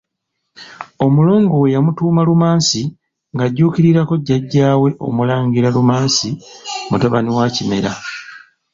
Omulongo we yamutuuma Lumansi ng'ajjuukirirako jjajjaawe Omulangira Lumansi mutabani wa Kimera.